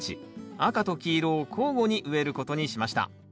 赤と黄色を交互に植えることにしました。